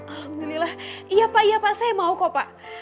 alhamdulillah iya pak ya pak saya mau kok pak